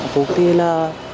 phúc thì là